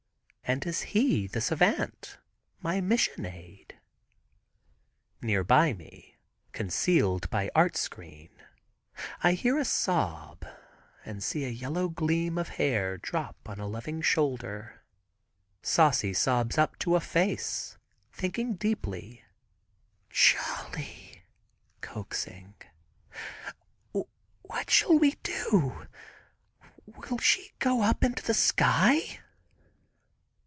(And is he—the Savant—my mission aid)? Near by me, concealed by art screen, I hear a sob, and see a yellow gleam of hair drop on a loving shoulder. Saucy sobs up to a face, thinking deeply. "Cholly," coaxing, "what shall we do—will she go up into the sky?"